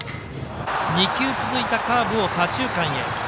２球続いたカーブを左中間へ。